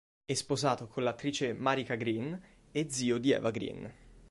È sposato con l'attrice Marika Green e zio di Eva Green.